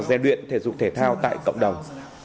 gieo đuyện thể dục thể thao tại cộng đồng